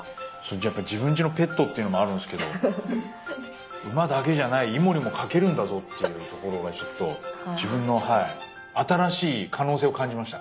やっぱ自分ちのペットっていうのもあるんですけど馬だけじゃないイモリも描けるんだぞっていうところがちょっと自分の新しい可能性を感じました。